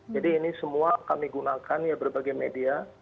jadi ini semua kami gunakan ya berbagai media